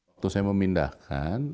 waktu saya memindahkan